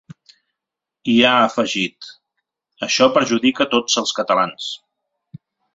I ha afegit: Això perjudica tots els catalans.